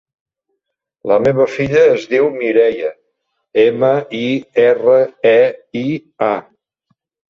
La meva filla es diu Mireia: ema, i, erra, e, i, a.